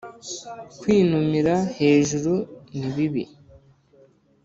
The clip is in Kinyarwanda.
kwinumira hejuru ni bibi